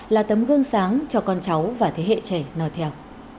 là tấm gương sáng cho con cháu và thế hệ trẻ nói theo